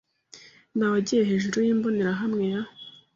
Nawegiye hejuru yimbonerahamwe ya .